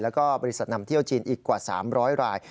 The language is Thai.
แล้วก็บริษัทนำเที่ยวจีนอีกกว่า๓๐๐ราย